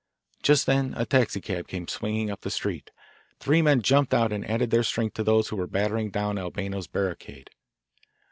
Just then a taxicab came swinging up they street. Three men jumped out and added their strength to those who were battering down Albano's barricade.